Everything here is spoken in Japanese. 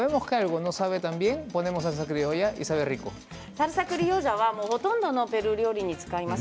サルサ・クリオジャはほとんどのペルー料理に使います。